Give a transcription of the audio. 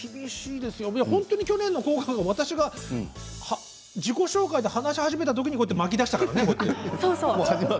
去年の「紅白」、私が自己紹介で話し始めたときに巻きだしたからね。